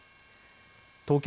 東京